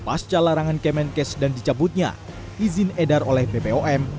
pas calarangan kemenkes dan dicabutnya izin edar oleh bpom